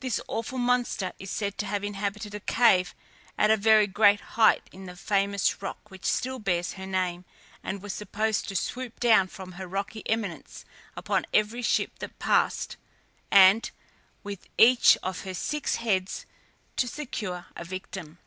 This awful monster is said to have inhabited a cave at a very great height in the famous rock which still bears her name, and was supposed to swoop down from her rocky eminence upon every ship that passed, and with each of her six heads to secure a victim.